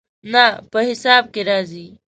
نه، په حساب کې راځي